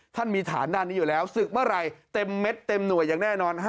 ท่านมีฐานด้านนี้อยู่แล้วศึกเมื่อไหร่เต็มเม็ดเต็มหน่วยอย่างแน่นอน